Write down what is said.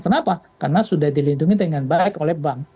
kenapa karena sudah dilindungi dengan baik oleh bank